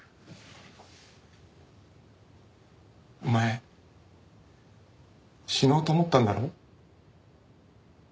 お前死のうと思ったんだろ？